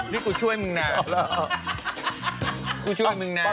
พี่กูช่วยมึงนะ